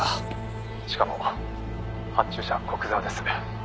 「しかも発注者は古久沢です」